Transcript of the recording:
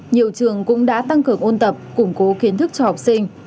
nhiều trường cũng đã tăng cường ôn tập củng cố kiến thức cho học sinh